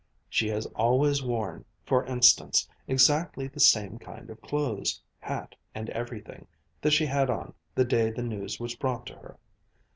She has always worn, for instance, exactly the same kind of clothes, hat and everything, that she had on, the day the news was brought to her.